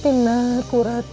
tante aku mau ke rumah tante